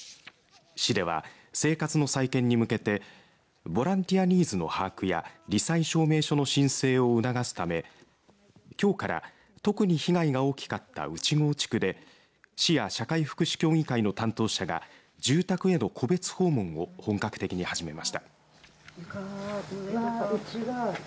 市では生活の再建に向けてボランティアニーズの把握やり災証明書の申請を促すためきょうから特に被害が大きかった内郷地区で市や社会福祉協議会の担当者が住宅への戸別訪問を本格的に始めました。